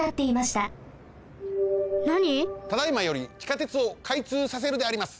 ただいまより地下鉄をかいつうさせるであります！